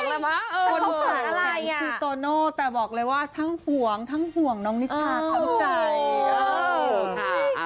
แต่เขาแข่งคือโตโน่แต่บอกเลยว่าทั้งห่วงทั้งห่วงน้องนิชชาข้างใกล้